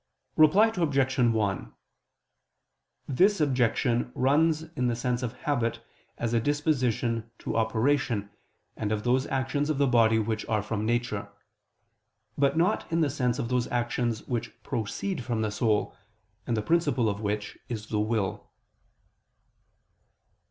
Reply Obj. 1: This objection runs in the sense of habit as a disposition to operation, and of those actions of the body which are from nature: but not in the sense of those actions which proceed from the soul, and the principle of which is the will.